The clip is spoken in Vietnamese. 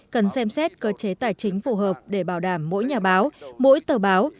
cần xem xét cơ chế tài chính phù hợp để bảo đảm mỗi nhà báo mỗi tờ báo